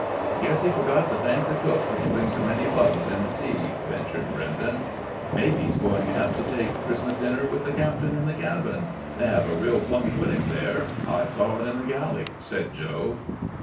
"I guess he forgot to thank the cook for putting so many bugs in the tea," ventured Brenden. "Maybe he's going aft to take Christmas Dinner with the captain in the cabin. They have a real plum pudding there; I saw it in the galley," said Joe.